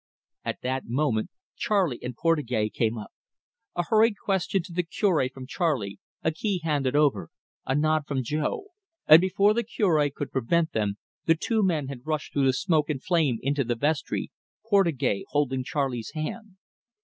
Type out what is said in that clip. At that moment Charley and Portugais came up. A hurried question to the Cure from Charley, a key handed over, a nod from Jo, and before the Cure could prevent them the two men had rushed through the smoke and flame into the vestry, Portugais holding Charley's hand.